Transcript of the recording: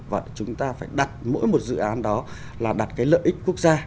và chúng ta phải đặt mỗi một dự án đó là đặt cái lợi ích quốc gia